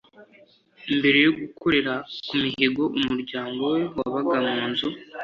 Mbere yo gukorera ku mihigo umuryango we wabaga mu nzu